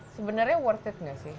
sebenarnya worth it gak sih